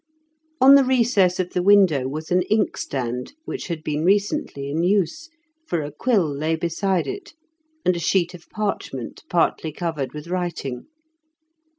On the recess of the window was an inkstand, which had been recently in use, for a quill lay beside it, and a sheet of parchment partly covered with writing.